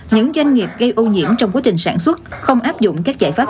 những doanh nghiệp gây ô nhiễm trong quá trình sản xuất không áp dụng các giải pháp